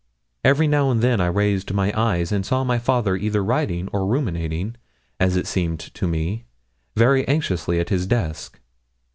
Every now and then I raised my eyes and saw my father either writing or ruminating, as it seemed to me, very anxiously at his desk.